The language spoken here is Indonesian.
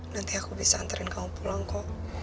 nanti aku bisa antarin kamu pulang kok